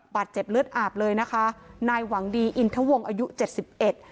บาดเจ็บเลือดอาบเลยนะคะนายหวังดีอินทวงอายุเจ็ดสิบเอ็ด